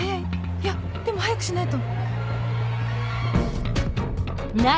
いやでも早くしないと